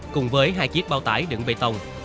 cùng với hai chiếc bao tải đựng bê tông